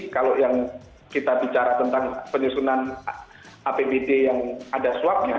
kalau yang kita bicara tentang penyusunan apbd yang ada swabnya